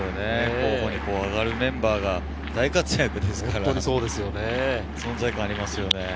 候補に挙がるメンバーが大活躍ですから、存在感ありますよね。